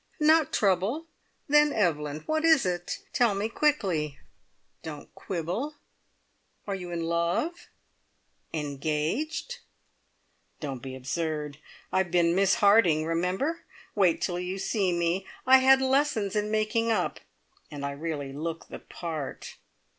"Not trouble! Then Evelyn! what is it? Tell me quickly. Don't quibble! Are you in love engaged?" "Don't be absurd. I've been Miss Harding, remember! Wait till you see me! I had lessons in making up, and I really look the part.